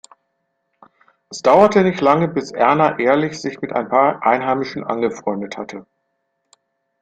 Es dauerte nicht lange, bis Erna Ehrlich sich mit ein paar Einheimischen angefreundet hatte.